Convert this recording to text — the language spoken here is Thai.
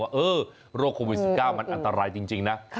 เออโรคโควิด๑๙มันอันตรายจริงนะ